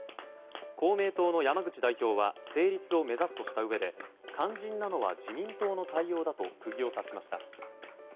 公明党の山口代表は成立を目指すとしたうえで肝心なのは自民党の対応だと釘を刺しました。